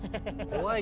怖い。